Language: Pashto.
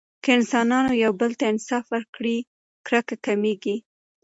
که انسانانو یو بل ته انصاف ورکړي، کرکه کمېږي.